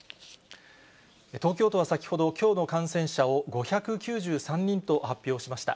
東京都は先ほど、きょうの感染者を５９３人と発表しました。